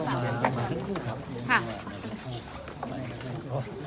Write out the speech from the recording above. มาทั้งคู่ครับ